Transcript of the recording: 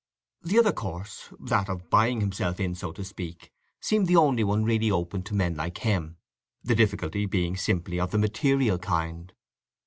The other course, that of buying himself in, so to speak, seemed the only one really open to men like him, the difficulty being simply of a material kind.